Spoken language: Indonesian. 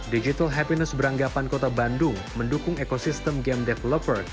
digital happiness beranggapan kota bandung mendukung ekosistem game developer